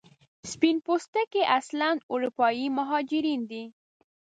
سپین پوستکي اصلا اروپایي مهاجرین دي.